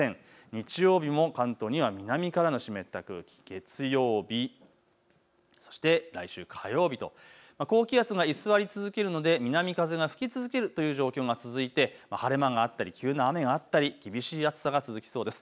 日曜日も関東には南からの湿った空気、月曜日、そして来週火曜日と高気圧が居座り続けるので南風が吹き続けるという状況が続いて晴れ間があったり急な雨があったり厳しい暑さが続きそうです。